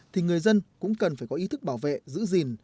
thì người dân cũng cần phải có ý thức bảo vệ giữ gìn